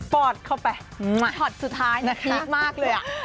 ปอดเข้าไปฮอตสุดท้ายนะคลิปมากเลย